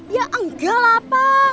ya enggak lah pa